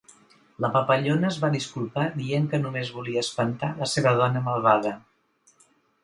La papallona es va disculpar dient que només volia espantar la seva dona malvada.